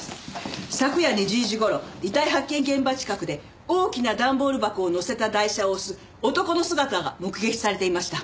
昨夜２０時頃遺体発見現場近くで大きな段ボール箱を載せた台車を押す男の姿が目撃されていました。